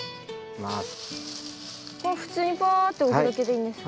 これは普通にパーッて置くだけでいいんですか？